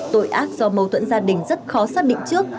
tội ác do mâu thuẫn gia đình rất khó xác định trước